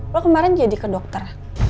lo kemarin jadi ke dokter